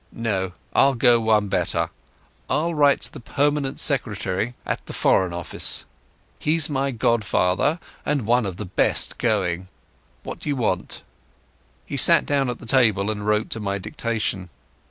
No, I'll go one better. I'll write to the Permanent Secretary at the Foreign Office. He's my godfather, and one of the best going. What do you want?" He sat down at a table and wrote to my dictation.